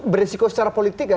beresiko secara politik ya